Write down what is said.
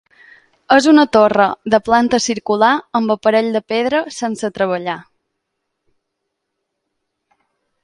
És una torre de planta circular amb aparell de pedra sense treballar.